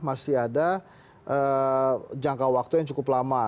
masih ada jangka waktu yang cukup lama